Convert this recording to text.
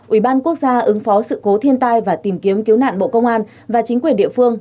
ủy ban quốc gia ứng phó sự cố thiên tai và tìm kiếm cứu nạn bộ công an và chính quyền địa phương